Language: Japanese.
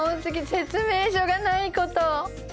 説明書がないこと。